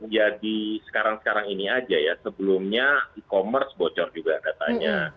jadi sekarang sekarang ini aja ya sebelumnya e commerce bocor juga datanya